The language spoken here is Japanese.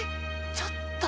ちょっと。